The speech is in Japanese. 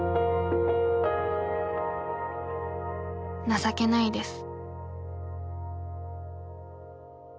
「情けないです」。